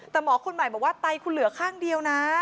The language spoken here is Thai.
แต่หมอคนใหม่บอกว่าไตคุณเหลือข้างเดียวนะ